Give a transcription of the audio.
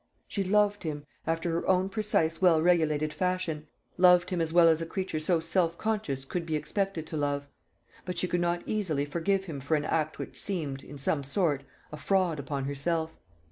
She loved him, after her own precise well regulated fashion loved him as well as a creature so self conscious could be expected to love; but she could not easily forgive him for an act which seemed, in some sort, a fraud upon herself.